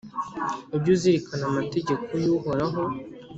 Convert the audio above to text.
Ujye uzirikana amategeko y’Uhoraho,